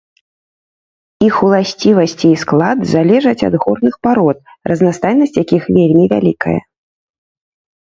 Іх уласцівасці і склад залежаць ад горных парод, разнастайнасць якіх вельмі вялікая.